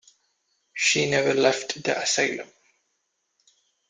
She never left the asylum.